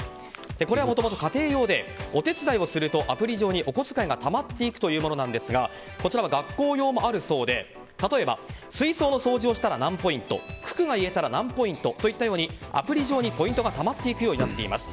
これはもともと家庭用でお手伝いをするとアプリ上にお小遣いがたまっていくというものなんですがこちらは学校用もあるそうで例えば水槽の掃除をしたら何ポイント九九が言えたら何ポイントというアプリ上にポイントがたまっていくようになっています。